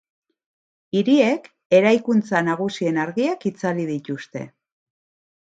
Hiriek eraikuntza nagusien argiak itzali dituzte.